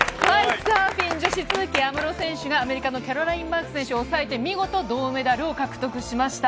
サーフィン女子、都筑有夢路選手がアメリカのキャロライン・マークス選手を抑えて、見事銅メダルを獲得しました。